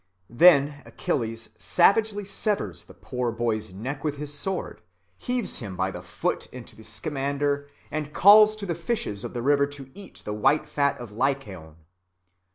(41) Then Achilles savagely severs the poor boy's neck with his sword, heaves him by the foot into the Scamander, and calls to the fishes of the river to eat the white fat of Lycaon.